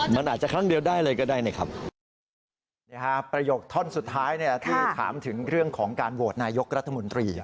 มันอาจจะครั้งเดียวได้เลยก็ได้นะครับ